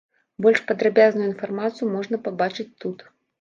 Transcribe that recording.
Больш падрабязную інфармацыю можна пабачыць тут.